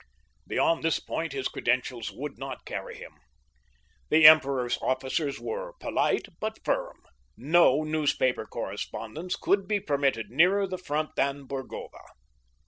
Beyond this point his credentials would not carry him. The emperor's officers were polite, but firm. No newspaper correspondents could be permitted nearer the front than Burgova.